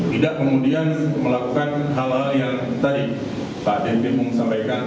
tidak kemudian melakukan hal hal yang tadi pak dedy mau sampaikan